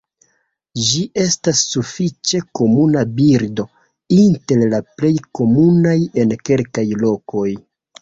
Ĝi estas sufiĉe komuna birdo, inter la plej komunaj en kelkaj lokoj.